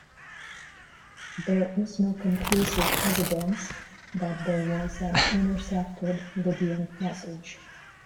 There is no conclusive evidence that there was an intercepted Libyan message.